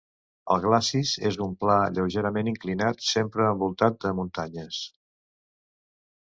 El glacis és un pla lleugerament inclinat sempre envoltat de muntanyes.